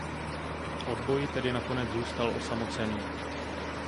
Odboj tedy nakonec zůstal osamocený.